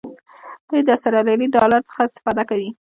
دوی د آسترالیایي ډالر څخه استفاده کوي.